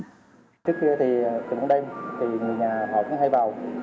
trước kia thì từ hôm đến thì người nhà họ cũng hay vào